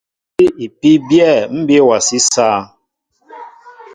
Sí myɔ̂ sí ipí byɛ̂ ḿbí awasí sááŋ.